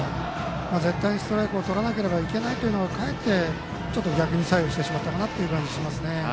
絶対にストライクをとらなければいけないというのがかえってちょっと逆に作用してしまったかなという感じがしますね。